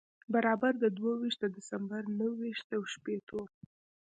برابر د دوه ویشت د دسمبر و نهه ویشت و شپېتو.